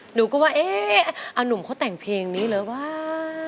หนูก็ว่าเอ๊ะอนุ่มเขาแต่งเพลงนี้เหรอวะ